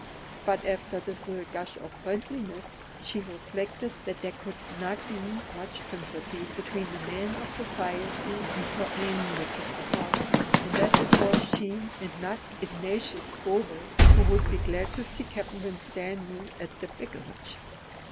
But after this little gush of friendliness, she reflected that there could not be much sympathy between the man of society and her Anglican parson; and that it was she, and not Ignatius Scobel, who would be glad to see Captain Winstanley at the Vicarage.